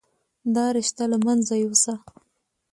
دا رشته له منځه يوسه.